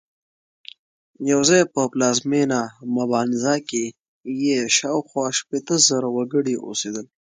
یوازې په پلازمېنه مبانزا کې یې شاوخوا شپېته زره وګړي اوسېدل.